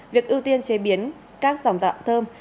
việc ưu tiên chế biến các dòng gạo thơm